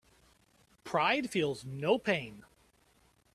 Pride feels no pain.